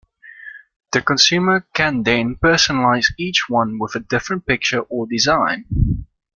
The consumer can then personalize each one with a different picture or design.